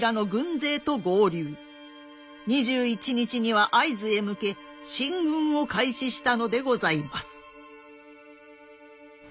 ２１日には会津へ向け進軍を開始したのでございます。